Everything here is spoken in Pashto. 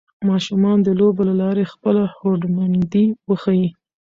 ماشومان د لوبو له لارې خپله هوډمندۍ وښيي